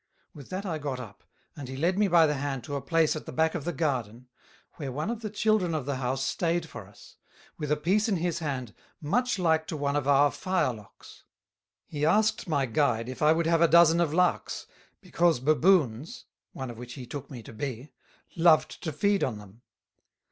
With that I got up, and he led me by the Hand to a place at the back of the Garden, where one of the Children of the House stayed for us, with a Piece in his Hand much like to one of our Fire Locks. He asked my Guide if I would have a dozen of Larks, because Baboons (one of which he took me to be,) loved to feed on them?